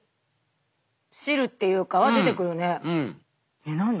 えっ何で？